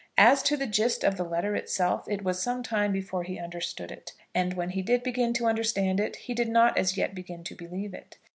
As to the gist of the letter itself, it was some time before he understood it. And when he did begin to understand it, he did not as yet begin to believe it.